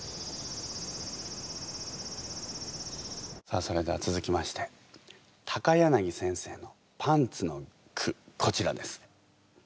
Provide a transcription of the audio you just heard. さあそれでは続きまして柳先生のパンツの句こちらです。